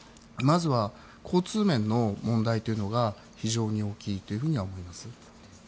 まずは交通面の問題というのが非常に大きいと思います。